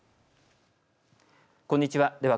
こんにちは。